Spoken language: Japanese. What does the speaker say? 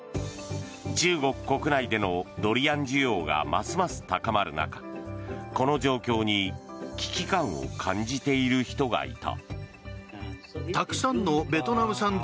中国国内でのドリアン需要がますます高まる中この状況に危機感を感じている人がいた。